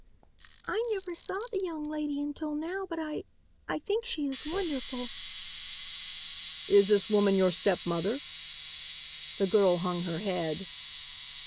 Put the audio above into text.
"I never saw the young lady until now but I I think she is wonderful." "Is this woman your stepmother." The girl hung her head.